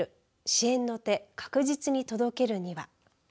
支援の手確実に届けるには。